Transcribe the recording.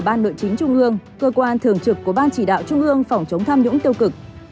ban nội chính trung ương cơ quan thường trực của ban chỉ đạo trung ương phòng chống tham nhũng tiêu cực